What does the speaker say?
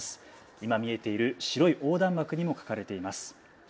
今、見えている白い横断幕にも書かれています。